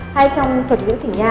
hay trong thuật dưỡng chỉ nhà